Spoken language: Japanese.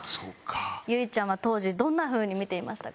由依ちゃんは当時どんな風に見ていましたか？